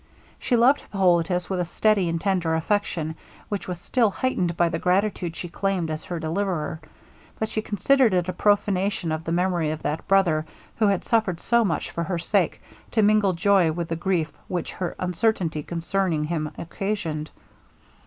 She loved Hippolitus with a steady and tender affection, which was still heightened by the gratitude he claimed as her deliverer; but she considered it a prophanation of the memory of that brother who had suffered so much for her sake, to mingle joy with the grief which her uncertainty concerning him occasioned.